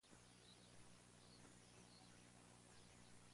El bioma predominante es el amazónico.